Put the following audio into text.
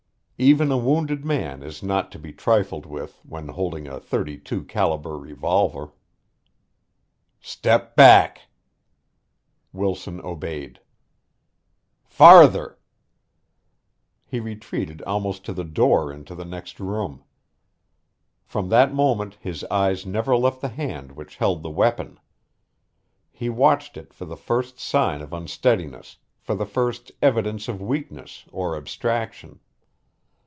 Even a wounded man is not to be trifled with when holding a thirty two caliber revolver. "Step back!" Wilson obeyed. "Farther!" [Illustration: "For the love of God, do not rouse her. She sees! She sees!"] He retreated almost to the door into the next room. From that moment his eyes never left the hand which held the weapon. He watched it for the first sign of unsteadiness, for the first evidence of weakness or abstraction.